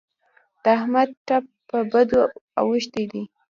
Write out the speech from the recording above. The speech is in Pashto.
د احمد ټپ په بدو اوښتی دی.